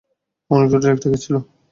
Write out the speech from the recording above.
অনেক জটিল একটা কেস ছিল।